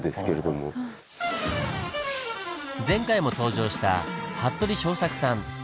前回も登場した服部正策さん。